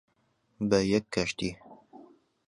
بە یەک کەشتی،